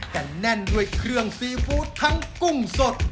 แต่แน่นด้วยเครื่องซีฟู้ดทั้งกุ้งสด